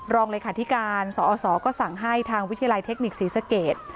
รองเลขาธิการสอสก็สั่งให้ทางวิทยาลัยเทคนิคศรีสเกต